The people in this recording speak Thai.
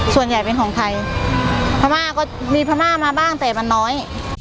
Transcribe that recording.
ส่วนใหญ่เป็นของไทยพม่าก็มีพม่ามาบ้างแต่มันน้อย